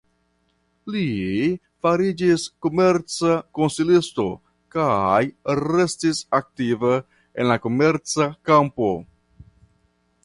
Li fariĝis komerca konsilisto kaj restis aktiva en la komerca kampo.